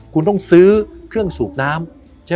คุณต้องซื้อเครื่องสุกน้ำ